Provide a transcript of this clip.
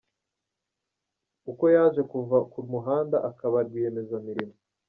Uko yaje kuva ku muhanda akaba rwiyemezamirimo.